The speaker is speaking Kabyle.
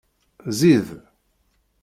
Zzi-d!